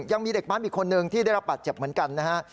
ยังมีเด็กปั๊มอีกคนนึงที่ได้รับบาดเจ็บเหมือนกันนะฮะ